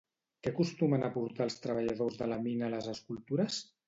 Què acostumen a portar els treballadors de la mina a les escultures?